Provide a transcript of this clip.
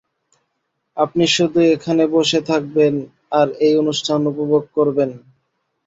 আপনি শুধু এখানে বসে থাকবেন আর এই অনুষ্ঠান উপভোগ করবেন।